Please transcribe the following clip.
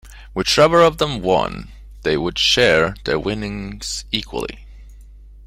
Whichever of them won, they would share the winnings equally.